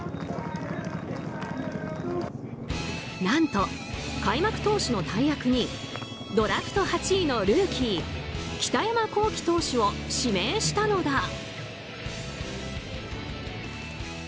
何と、開幕投手の大役にドラフト８位のルーキー北山亘基投手を指名したのだ。